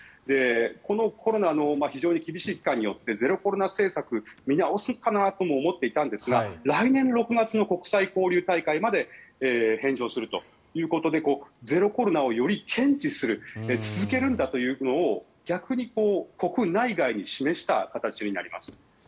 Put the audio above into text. このコロナの非常に厳しい期間によってゼロコロナ政策を見直すかなとも思っていたんですが来年６月の国際交流大会まで返上するということでゼロコロナをより堅持する続けるんだというのを逆に国内外に示した形になります。